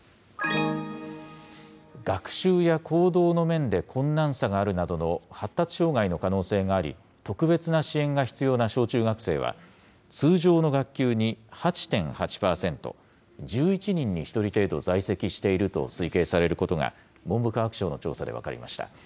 学習や行動の面で困難さがあるなどの発達障害の可能性があり、特別な支援が必要な小中学生は、通常の学級に８．８％、１１人に１人程度在籍していると推計されることが、文部科学省の調査で分かりました。